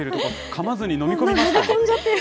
かまずに飲み込みましたね。